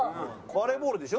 バレーボールでしょ？